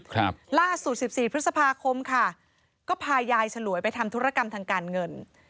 ครับล่าสุดสิบสี่พฤษภาคมค่ะก็พายายฉลวยไปทำธุรกรรมทางการเงิน